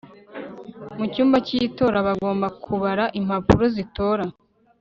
mu cyumba cy'itora bagomba kubara impapuro z'itora